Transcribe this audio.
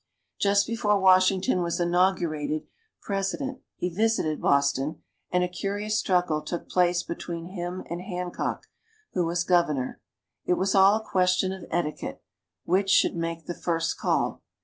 Just before Washington was inaugurated President, he visited Boston, and a curious struggle took place between him and Hancock, who was Governor. It was all a question of etiquette which should make the first call.